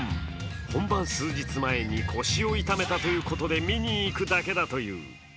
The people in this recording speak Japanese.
本番数日前に腰を痛めたということで、見に行くだけだという。